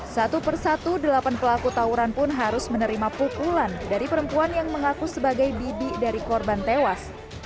satu persatu delapan pelaku tawuran pun harus menerima pukulan dari perempuan yang mengaku sebagai bibi dari korban tewas